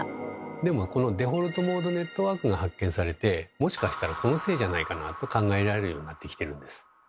でもこのデフォルトモードネットワークが発見されてもしかしたらこのせいじゃないかなと考えられるようになってきてるんです。